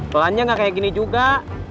pelannya nggak kayak gini juga